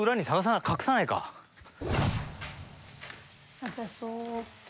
なさそう。